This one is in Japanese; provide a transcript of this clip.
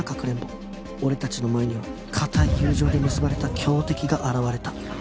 俺たちの前には固い友情で結ばれた強敵が現れた